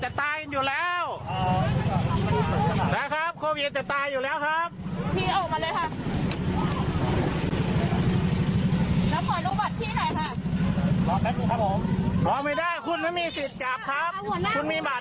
เดี๋ยวกดดีกดพี่เป็นตำรวจทำไมพี่ไม่พจะบาร์ดคะ